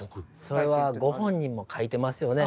それはご本人もかいてますよね。